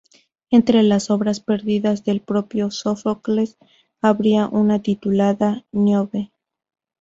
Entre las obras perdidas del propio Sófocles habría una titulada "Níobe".